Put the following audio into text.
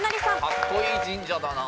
かっこいい神社だな。